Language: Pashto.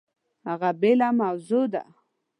هغه بېله موضوع ده!